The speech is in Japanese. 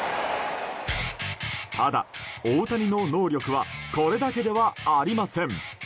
ただ、大谷の能力はこれだけではありません。